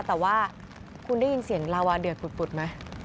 แต่ว่าคุณได้ยินเสียงลาวาเดือดปุดไหม